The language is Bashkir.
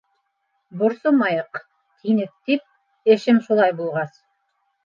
Борсомайыҡ тинек тип... эшем шулай булғас...